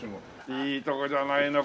いいとこじゃないの